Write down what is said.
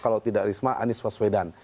kalau tidak risma anies waswedan